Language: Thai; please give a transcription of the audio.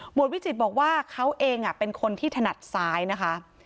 วิจิตบอกว่าเขาเองเป็นคนที่ถนัดซ้ายนะคะ